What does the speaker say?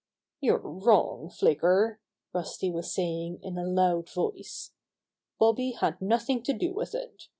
"You're wrong, Flicker," Rusty was saying in a loud voice. "Bobby had nothing to do with it.